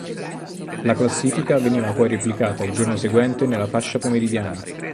La classifica veniva poi replicata il giorno seguente nella fascia pomeridiana.